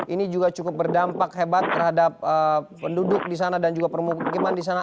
ini juga cukup berdampak hebat terhadap penduduk di sana dan juga permukiman di sana